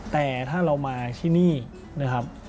แต่ถ้าเรามาที่นี่นะครับ